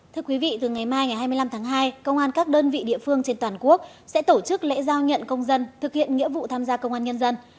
thưa quý vị từ ngày mai ngày hai mươi năm tháng hai công an các đơn vị địa phương trên toàn quốc sẽ tổ chức lễ giao nhận công dân thực hiện nghĩa vụ tham gia công an nhân dân